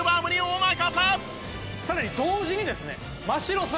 さらに同時にですね真城さん